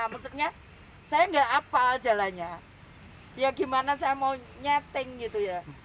maksudnya saya enggak apa jalannya ya gimana saya mau nyeting gitu ya